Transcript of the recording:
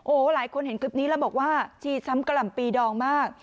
โอ้โหหลายคนเห็นคลิปนี้แล้วบอกว่าชีช้ำกะหล่ำปีดองมาก